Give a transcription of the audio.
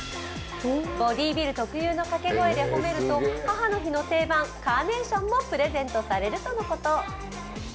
ボディービル特有の掛け声で褒めると母の日の定番、カーネーションもプレゼントされるとのこと。